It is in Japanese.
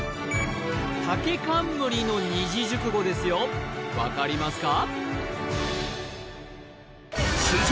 竹冠の二字熟語ですよ分かりますか？